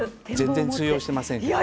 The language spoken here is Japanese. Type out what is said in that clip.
全然通用してませんけどね。